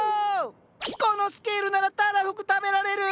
このスケールならたらふく食べられる！